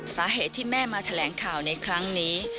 สาเหตุที่แม่มาแถลงข่าวในครั้งนี้